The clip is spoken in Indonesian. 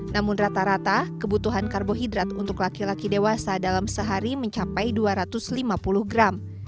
namun rata rata kebutuhan karbohidrat untuk laki laki dewasa dalam sehari mencapai dua ratus lima puluh gram